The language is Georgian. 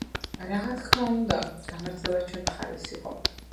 რაღა თქმა უნდა, გამართლება ჩვენ მხარეს იყო.